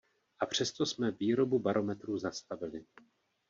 A přesto jsme výrobu barometrů zastavili.